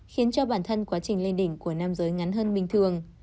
khiến cho bản thân quá trình lên đỉnh của nam giới ngắn hơn bình thường